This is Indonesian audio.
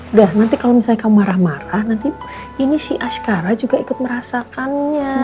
udah nanti kalau misalnya kamu marah marah nanti ini si ashkara juga ikut merasakannya